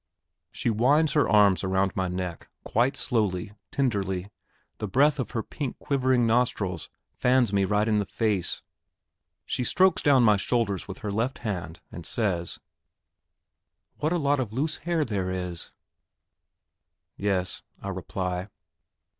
She winds her arms about my neck, quite slowly, tenderly, the breath of her pink quivering nostrils fans me right in the face; she strokes down my shoulders with her left hand, and says, "What a lot of loose hair there is." "Yes," I reply.